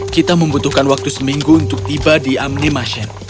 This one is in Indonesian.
kita membutuhkan waktu seminggu untuk tiba di amni masjid